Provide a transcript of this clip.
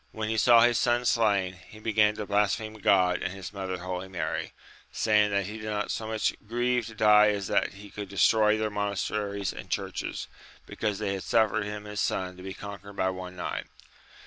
When he saw his son slain, he began to blas pheme God and His mother Holy Mary, saying that be did not so much grieve to die as that he could destroy their monasteries and churches, because they had suffered him and his son to be conquered by one knight.